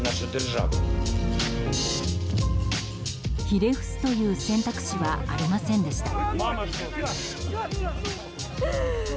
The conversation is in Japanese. ひれ伏すという選択肢はありませんでした。